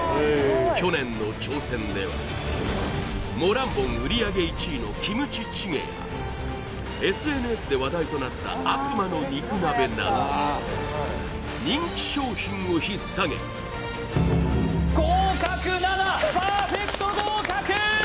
去年の挑戦ではモランボン売上１位のキムチチゲやとなった悪魔の肉鍋など人気商品をひっ提げ合格７パーフェクト合格！